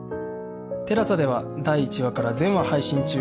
ＴＥＬＡＳＡ では第１話から全話配信中